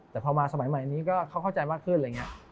แต่พอมาสมัยใหม่ก็เข้าใจมากขึ้น